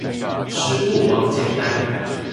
食物網簡單